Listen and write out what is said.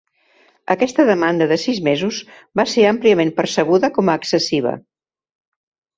Aquesta demanda de sis mesos va ser àmpliament percebuda com a excessiva.